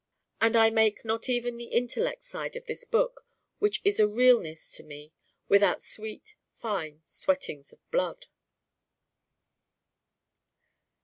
And I make not even the intellect side of this book, which is a Realness to me, without sweet fine sweatings of blood.